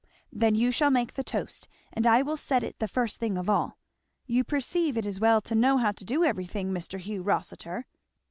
then you shall make the toast, and I will set it the first thing of all. You perceive it is well to know how to do everything, Mr. Hugh Rossitur."